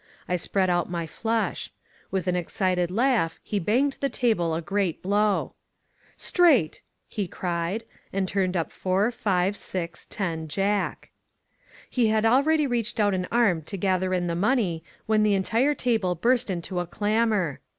I spread out my flush. With an excited laugh he banged the table a great blow. Straight!" he cried — and turned up four, five, six, ten. Jack. He had already reached out an arm to gather in the money when the entire table burst into a clamor.